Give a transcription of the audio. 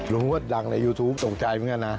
รู้ว่าดังในยูทูปตกใจไหมกันนะ